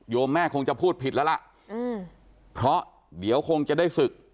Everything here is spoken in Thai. แม่คงจะพูดผิดแล้วล่ะอืมเพราะเดี๋ยวคงจะได้ศึก